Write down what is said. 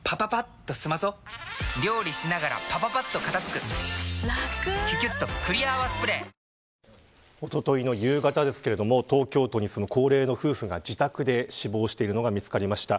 菌の隠れ家を除去できる新「アタックＺＥＲＯ」おとといの夕方ですけれども東京都に住む高齢の夫婦が自宅で死亡しているのが見つかりました。